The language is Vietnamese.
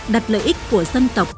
đặt lợi ích của dân tộc